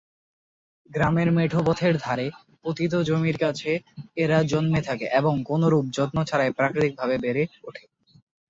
গ্রামের মেঠো পথের ধারে, পতিত জমির কাছে এরা জন্মে থাকে এবং কোনরূপ যত্ন ছাড়াই প্রাকৃতিকভাবে বেড়ে ওঠে।